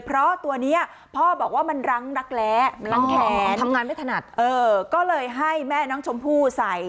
เพราะตัวนี้พ่อบอกว่ามันรั้งรักแร้รั้งแขนทำงานไม่ถนัดก็เลยให้แม่น้องชมพู่ใส่